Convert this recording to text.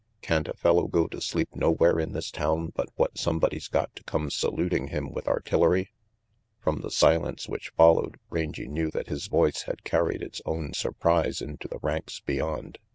"Can't a fellow go to sleep nowhere in this town but what somebody's got to come saluting him with artillery?" From the silence which followed, Rangy knew that his voice had carried its own surprise into the ranks beyond.